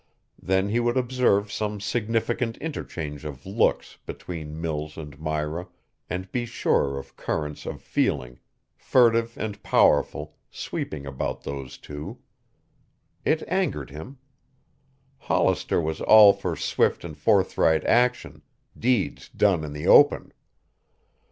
Then he would observe some significant interchange of looks between Mills and Myra and be sure of currents of feeling, furtive and powerful, sweeping about those two. It angered him. Hollister was all for swift and forthright action, deeds done in the open.